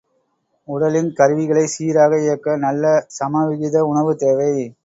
உடலின் கருவிகளைச் சீராக இயக்க நல்ல சமவிகித உணவு தேவை.